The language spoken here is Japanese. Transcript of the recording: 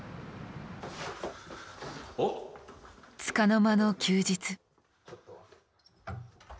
つかの間の休日。